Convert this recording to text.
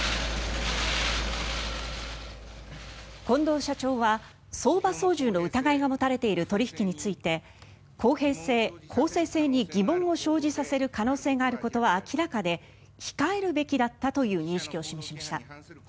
近藤社長は相場操縦の疑いが持たれている取引について公平性、公正性に疑問を生じさせる可能性があることは明らかで控えるべきだったという認識を示しました。